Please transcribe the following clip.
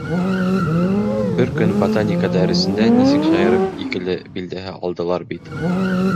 Бер көн ботаника дәресендә нисек шаярып «икеле» билдәһе алдылар бит.